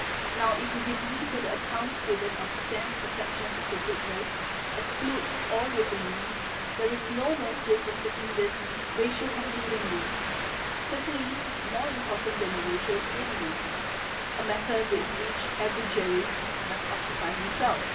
Now if we believe that the account given of the sense perceptions of the witness excludes all reasoning there is no motive for seeking this "ratio concludendi"', certainly more important than the "ratio sciendi'"', a matter with which every jurist must occupy himself.